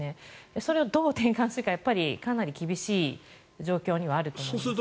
それをどう転換するかかなり厳しい状況にあると思いますね。